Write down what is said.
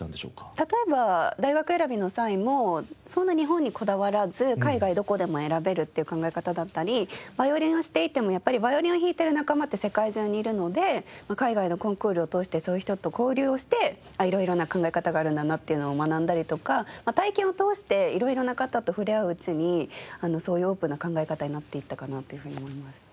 例えば大学選びの際もそんな日本にこだわらず海外どこでも選べるっていう考え方だったりヴァイオリンをしていてもやっぱりヴァイオリンを弾いてる仲間って世界中にいるので海外のコンクールを通してそういう人と交流をしていろいろな考え方があるんだなっていうのを学んだりとか体験を通していろいろな方と触れ合ううちにそういうオープンな考え方になっていったかなっていうふうに思います。